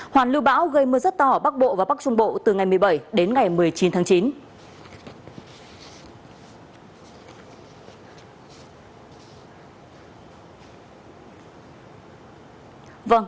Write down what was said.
hoàn lưu bão gây mưa rất to ở bắc bộ và bắc trung bộ từ ngày một mươi bảy đến ngày một mươi chín tháng chín